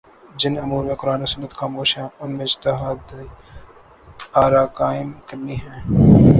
جن امور میں قرآن و سنت خاموش ہیں ان میں اجتہادی آراقائم کرنی ہیں